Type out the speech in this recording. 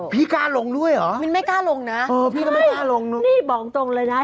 พี่กล้าลงด้วยเหรอพี่ก็ไม่กล้าลงนะใช่นี่บอกตรงเลยนะ